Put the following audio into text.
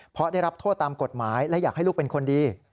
เพราะได้รับโทษตามกฎหมายและอยากให้ลูกเป็นคนดี